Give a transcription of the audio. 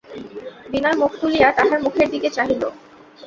বিনয় মুখ তুলিয়া তাঁহার মুখের দিকে চাহিল।